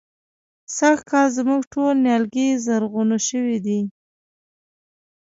سږکال زموږ ټول نيالګي زرغونه شوي دي.